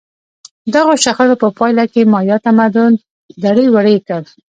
دغو شخړو په پایله کې مایا تمدن دړې وړې کړ.